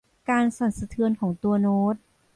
การสั่นสะเทือนของตัวโน้ต